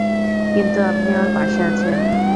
কিন্তু, আপনি ওর পাশে আছেন।